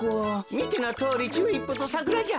みてのとおりチューリップとサクラじゃ。